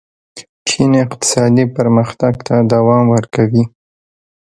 چین اقتصادي پرمختګ ته دوام ورکوي.